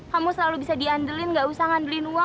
kamu selalu bisa diandelin nggak usah ngandelin uang